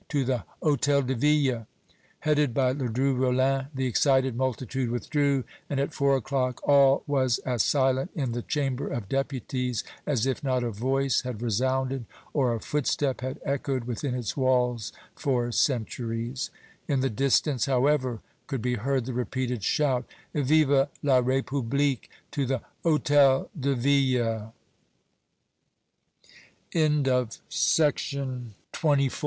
to the Hôtel de Ville!" Headed by Ledru Rollin the excited multitude withdrew, and at four o'clock all was as silent in the Chamber of Deputies as if not a voice had resounded or a footstep had echoed within its walls for centuries. In the distance, however, could be heard the repeated shout: "Vive la République! to the Hôtel de Ville!" CHAPTER XXIII. THE SACK OF THE TUILERIES.